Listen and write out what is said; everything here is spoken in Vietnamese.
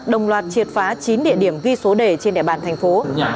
đồng loạt triệt phá chín địa điểm ghi số đề trên đại bản thành phố